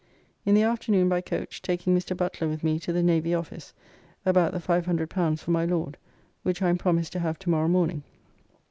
In the afternoon by coach, taking Mr. Butler with me to the Navy Office, about the L500 for my Lord, which I am promised to have to morrow morning.